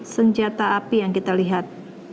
senjata api yang kita lihat